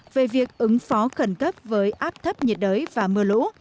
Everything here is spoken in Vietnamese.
về việc ứng phó khẩn cấp với áp thấp nhiệt đới và mưa lũ